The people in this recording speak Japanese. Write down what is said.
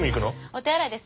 お手洗いです。